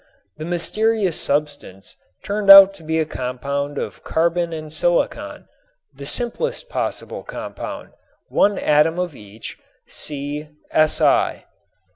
The mysterious substance turned out to be a compound of carbon and silicon, the simplest possible compound, one atom of each, CSi.